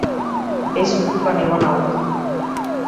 Без ука нема наука.